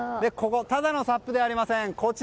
ただのＳＵＰではありません。